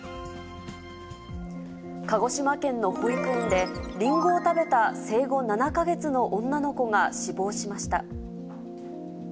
鹿児島県の保育園で、りんごを食べた生後７か月の女の子が死亡しました。